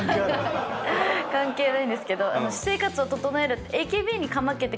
関係ないんですけど私生活を整える。